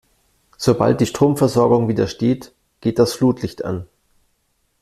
Sobald die Stromversorgung wieder steht, geht das Flutlicht an.